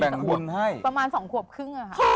แต่งบุญให้ประมาณ๒ขวบครึ่งอะค่ะ